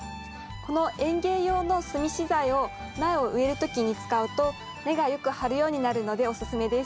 この園芸用の炭資材を苗を植える時に使うと根がよく張るようになるのでおすすめです。